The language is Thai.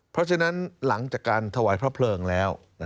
เพราะฉะนั้นหลังจากการถวายพระเพลิงแล้ว